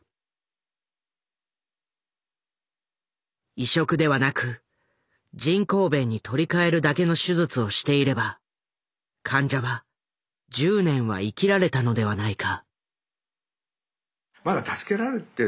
移植ではなく人工弁に取り換えるだけの手術をしていれば患者は１０年は生きられたのではないか。